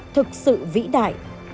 thực sự vĩ đại